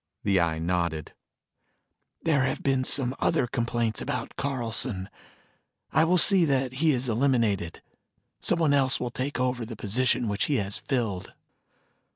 The Eye nodded. "There have been some other complaints about Carlson. I will see that he is eliminated. Someone else will take over the position which he has filled."